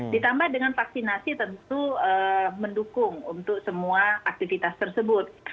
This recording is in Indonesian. ditambah dengan vaksinasi tentu mendukung untuk semua aktivitas tersebut